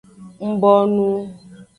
Ng bonu.